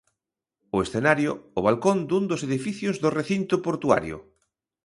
O escenario, o balcón dun dos edificios do recinto portuario.